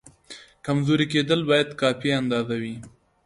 کمزوری کېدل باید کافي اندازه وي.